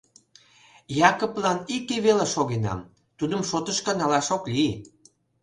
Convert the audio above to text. Якыплан ик ий веле шогенам, тудым шотышко налаш ок лий.